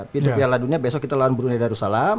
pintu piala dunia besok kita lawan brunei darussalam